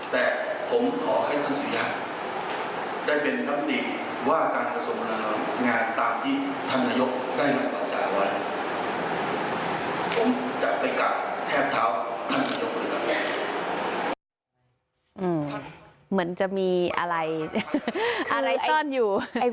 แต่ผมขอให้ท่านสุยัตริย์ได้เป็นน้ำตี